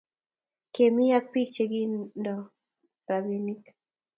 Kemi ak bik che kigondo rapinik